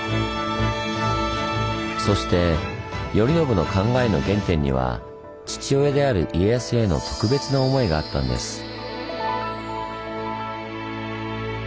そして頼宣の考えの原点には父親である家康への特別な思いがあったんです。